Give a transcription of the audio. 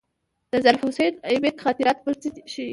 د ظفرحسن آیبک خاطرات بل څه ښيي.